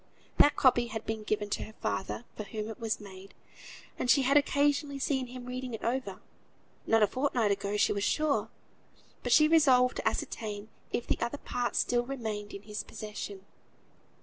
That copy had been given to her father, for whom it was made, and she had occasionally seen him reading it over, not a fortnight ago she was sure. But she resolved to ascertain if the other part still remained in his possession.